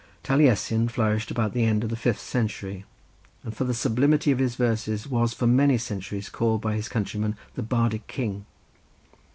Taliesin flourished about the end of the fifth century, and for the sublimity of his verses was for many centuries called by his countrymen the Bardic King.